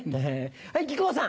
はい木久扇さん。